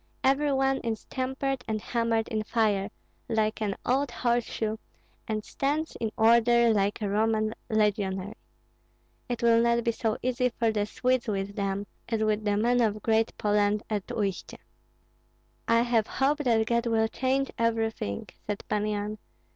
Every one is tempered and hammered in fire, like an old horseshoe, and stands in order like a Roman legionary. It will not be so easy for the Swedes with them, as with the men of Great Poland at Uistsie." "I have hope that God will change everything," said Pan Yan.